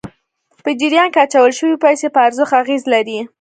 په جریان کې اچول شويې پیسې په ارزښت اغېز لري.